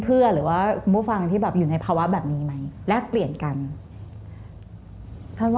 เป็นการมัดสมนตรีของฉัน